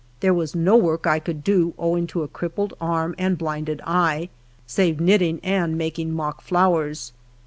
There was no work 1 could do owing to a crippled arm and blinded eye, save knitting and making mock flowers.